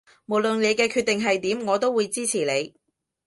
無論你嘅決定係點我都會支持你